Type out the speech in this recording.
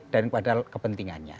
dan pada kepentingannya